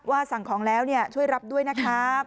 ว่าสั่งของแล้วเนี่ยช่วยรับด้วยนะครับ